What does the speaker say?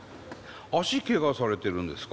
足けがされてるんですか？